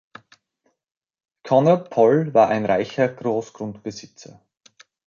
Konrad Poll war ein reicher Großgrundbesitzer.